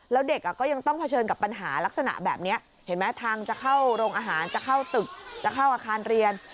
แล้วเด็กก็ยังต้องเผชิญกับปัญหาลักษณะแบบนี้เห็นไหมทางจะเข้าโรงอาหารจะเข้าตึกจะเข้าอาคารเรียน